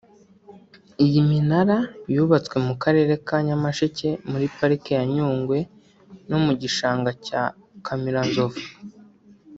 Iyi minara yubatswe mu karere ka Nyamasheke muri Pariki ya Nyungwe no mu gishanga cya Kamiranzovu